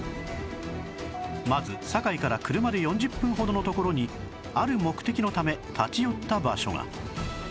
まず堺から車で４０分ほどの所にある目的のため立ち寄った場所が